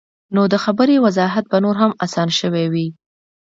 نو د خبرې وضاحت به نور هم اسان شوے وۀ -